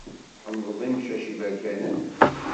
Tḥemmled imcac iberkanen?